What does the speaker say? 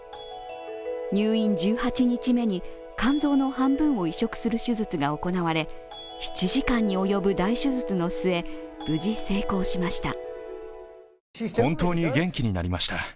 入院１８日目に肝臓の半分を移植する手術が行われ７時間に及ぶ大手術の末、無事、成功しました。